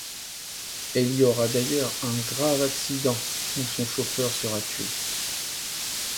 Elle y aura d'ailleurs un grave accident où son chauffeur sera tué.